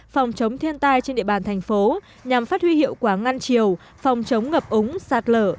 phòng chống thiên tai trên địa bàn thành phố nhằm phát huy hiệu quả ngăn chiều phòng chống ngập ống sạt lở